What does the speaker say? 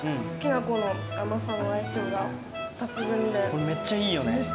これめっちゃいいよね。